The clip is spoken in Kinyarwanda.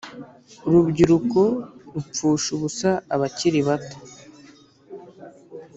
urubyiruko rupfusha ubusa abakiri bato